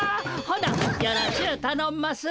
ほなよろしゅうたのんます。